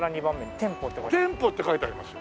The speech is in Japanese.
店舗って書いてありますよ。